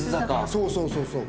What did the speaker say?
そうそうそうそう。